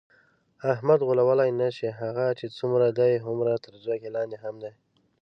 احمد غولولی نشې، هغه چې څومره دی هومره تر ځمکه لاندې هم دی.